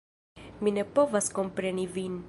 Mi ne povas kompreni vin.